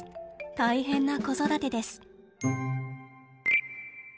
大変な子育てです。